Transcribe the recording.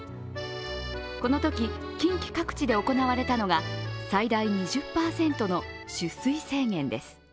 このとき近畿各地で行われたのが最大２０％の取水制限です。